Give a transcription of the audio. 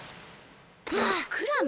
クラム？